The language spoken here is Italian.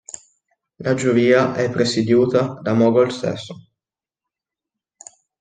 La Giuria è presieduta da Mogol stesso.